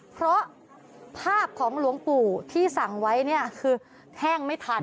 เพราะภาพของหลวงปู่ที่สั่งไว้เนี่ยคือแห้งไม่ทัน